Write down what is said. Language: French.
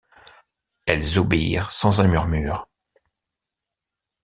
Elles obéirent sans un murmure.